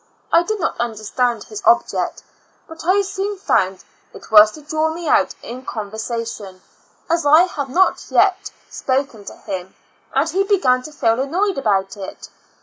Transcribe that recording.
I did not understand his object, but I soon found it was to draw me out in conversation, as I had not as yet spoken to him, and he began to feel annoyed about it.